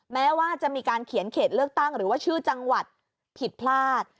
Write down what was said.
แม้ว่าจะมีการเขียนเขตเลือกตั้งหรือว่าชื่อจังหวัดผิดพลาด